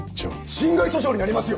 侵害訴訟になりますよ！